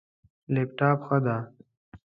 لپټاپ، ښه ده